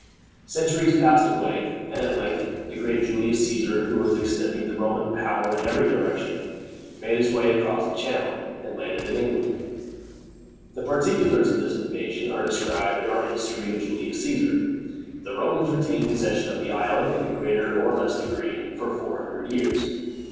Centuries passed away, and at length the great Julius Cæsar, who was extending the Roman power in every direction, made his way across the Channel, and landed in England. The particulars of this invasion are described in our history of Julius Cæsar. The Romans retained possession of the island, in a greater or less degree, for four hundred years.